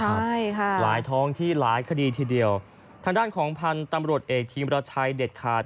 ใช่ค่ะหลายท้องที่หลายคดีทีเดียวทางด้านของพันธุ์ตำรวจเอกทีมรัชชัยเด็ดขาด